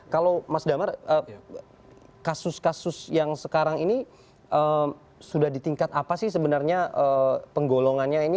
kalau mas damar kasus kasus yang sekarang ini sudah di tingkat apa sih sebenarnya penggolongannya ini